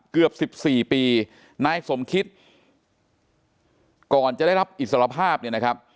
เกือบสิบสี่ปีนายสมคิตก่อนจะได้รับอิสรภาพเนี่ยนะครับ